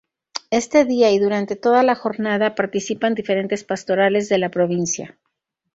Este día y durante toda la jornada participan diferentes pastorales de la provincia.